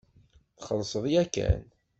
Txellṣeḍ yakan.